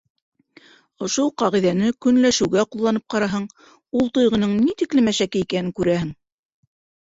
Ошо уҡ ҡағиҙәне көнләшеүгә ҡулланып ҡараһаң, ул тойғоноң ни тиклем әшәке икәнен күрәһең.